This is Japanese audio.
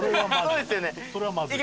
それはまずい。